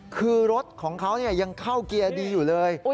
คือรถของเขายังเข้าเกียร์ดีอยู่เลย